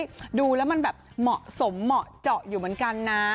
ดูแล้วมันแบบเหมาะสมเหมาะเจาะอยู่เหมือนกันนะ